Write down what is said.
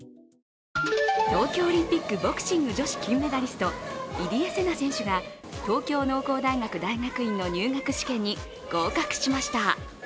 東京オリンピックボクシング女子、金メダリスト、入江聖奈選手が東京農工大学大学院の入学試験に合格しました。